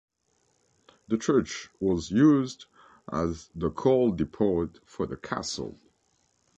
The church was used as the coal depot for the castle.